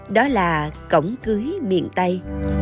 đó là cổng cưới miền tây